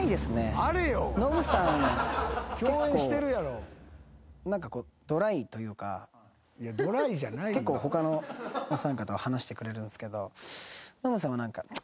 ノブさん結構何かこう。というか結構他のお三方は話してくれるんですけどノブさんは何か。